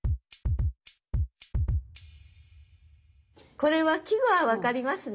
これは季語は分かりますね？